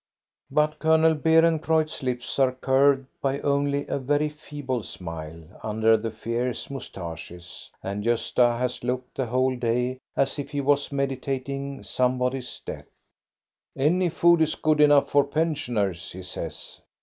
But Colonel Beerencreutz's lips are curved by only a very feeble smile, under the fierce mous CHRISTMAS DAY 51 taches, and Gdsta has looked the whole day as if he was itieditating somebody's death. "Any food is good enough for pensioners," he says.